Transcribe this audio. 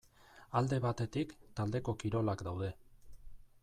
Alde batetik taldeko kirolak daude.